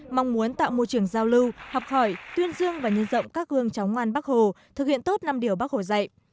mong muốn tạo môi trường giao lưu học hỏi tuyên dương và nhân rộng các gương chóng ngoan bắc hồ thực hiện tốt năm điều bắc hồ dạy